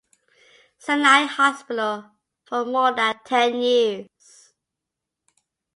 Sinai Hospital for more than ten years.